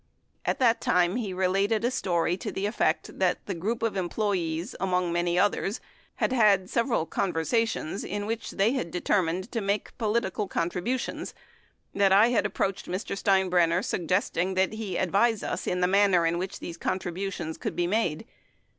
At that time, he related a story to the effect that the group of employees, among many others, had had several conversa tions in which they had determined to make political contri butions, that I had approached Mr. Steinbrenner, suggesting that he advise us in the manner in which contributions should be made.